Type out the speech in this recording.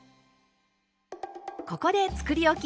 ここでつくりおき